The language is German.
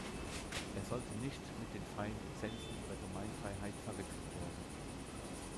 Er sollte nicht mit den freien Lizenzen oder Gemeinfreiheit verwechselt werden.